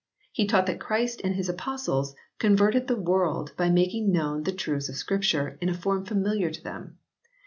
He taught that Christ and His Apostles converted the world by making known the truths of Scripture in a form familiar to them.